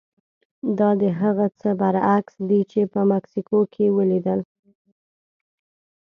دا د هغه څه برعکس دي چې په مکسیکو کې ولیدل.